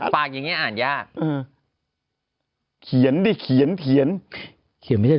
ปากอย่างเงี้ยอ่านยากอืมเขียนดิเขียนเขียนเขียนไม่ได้